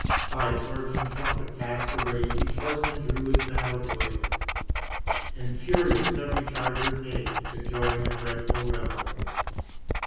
By torch and trumpet fast arrayed Each horseman drew his battle blade, And furious every charger neighed, To join the dreadful revelry.